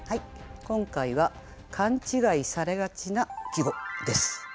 今回は「勘違いされがちな季語」です。